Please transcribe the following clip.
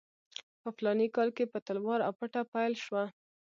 په فلاني کال کې په تلوار او پټه پیل شوه.